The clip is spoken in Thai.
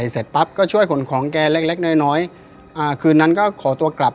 พี่รอศก็โทรศัพท์เรียกผมอีกทีนึงว่าไอ้นัทมันโทรมาว่าไปช่วยอยู่กับเพื่อนมันหน่อยอะไรแบบเนี้ยครับ